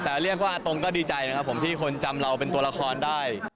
แต่เรียกว่าอาตงก็ดีใจนะครับผมที่คนจำเราเป็นตัวละครได้